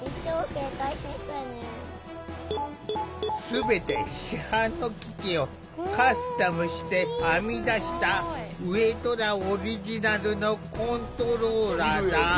全て市販の機器をカスタムして編み出した上虎オリジナルのコントローラーだ。